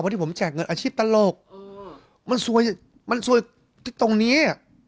ว่าที่ผมแจกเงินอาชีพตลกมันสวยที่ตรงนี้